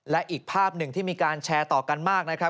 และอีกภาพหนึ่งที่มีการแชร์ต่อกันมากนะครับ